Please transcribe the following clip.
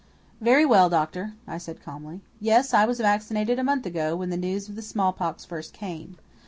"Very well, doctor," I said calmly. "Yes, I was vaccinated a month ago, when the news of the smallpox first came.